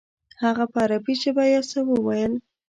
هغه په عربي ژبه یو څه وویل.